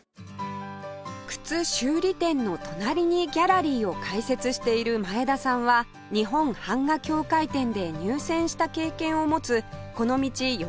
靴修理店の隣にギャラリーを開設している前田さんは日本版画協会展で入選した経験を持つこの道